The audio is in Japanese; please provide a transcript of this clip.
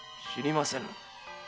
知りませぬ。